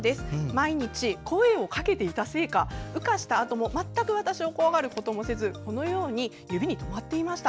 毎日声をかけていたせいか羽化したあとも全く私を怖がることもせずこのように指にとまっていました。